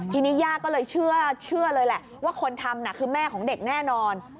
ทีนี้ย่าก็เลยเชื่อเลยแหละว่าคนทำน่ะคือแม่ของเด็กแน่นอน